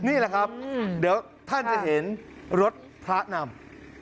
นี่แหละครับเดี๋ยวท่านจะเห็นรถพระนำ